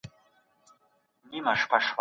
انسانان په فطري ډول شتمني غواړي.